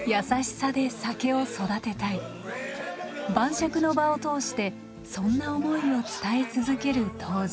晩酌の場を通してそんな思いを伝え続ける杜氏。